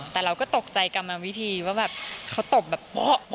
แต่เราก็ตกใจกรรมวิธีว่าแบบเขาตบแบบโป๊ะ